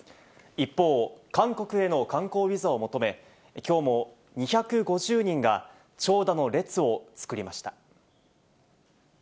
一方、韓国への観光ビザを求め、きょうも２５０人が長蛇の列を作りました。